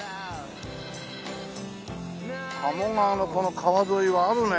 鴨川のこの川沿いはあるね